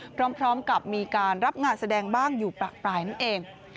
พร้อมกับมีการรับงานแสดงบ้างอยู่ประปรายนั่นเอง